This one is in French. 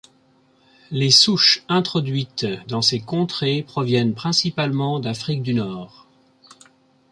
Les souches introduites dans ces contrées proviennent principalement d'Afrique du Nord.